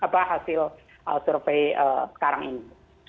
apa hasil survei sekarang ini